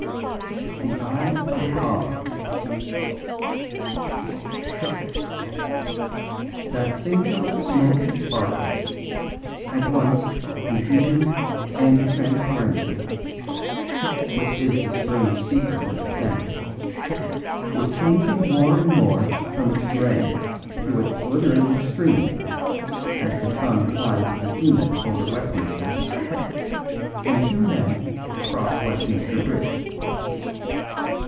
The Eye of Apollo That singular smoky sparkle, at once a confusion and a transparency, which is the strange secret of the Thames, was changing more and more from its grey to its glittering extreme as the sun climbed to the zenith over Westminster, and two men crossed Westminster Bridge.